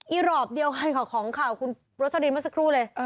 อีหรอบเดียวกับของข่าวคุณโรสดินมาสักครู่เลย